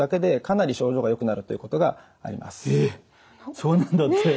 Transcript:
そうなんだって。